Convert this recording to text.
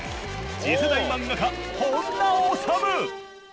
次世代漫画家本多修！